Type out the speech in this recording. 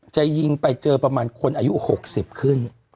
จะยิงไปเจอประมาณคนอายุ๖๐ขึ้น